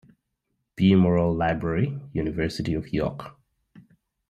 B. Morrell Library, University of York.